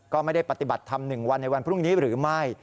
ก็ไม่ได้ปฏิบัติธรรม๑วันในวันพรุ่งนี้หรือไม่